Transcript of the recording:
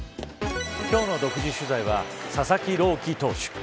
今日の独自取材は佐々木朗希投手。